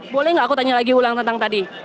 boleh nggak aku tanya lagi ulang tentang tadi